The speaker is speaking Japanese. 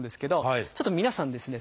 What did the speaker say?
ちょっと皆さんですね